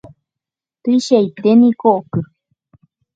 tuichaiténiko oky